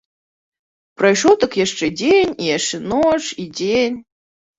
Прайшоў так яшчэ дзень і яшчэ ноч і дзень.